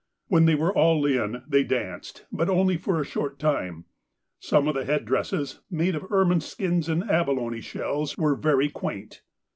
When they were all in they danced, but only for a short time. Some of the head dresses, made of ermine skins and abelone shells, were very quaint.